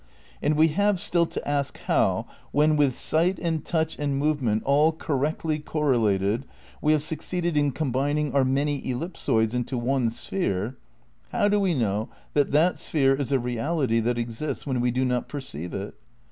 And we have still to ask how, when, with sight and touch and movement aU correctly correlated, we have suc ceeded in combining our many ellipsoids into one sphere — ^how do we know that that sphere is a reality that exists when we do not perceive it?